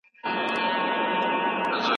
فابریکې خام مواد په پاخه توکو بدلوي.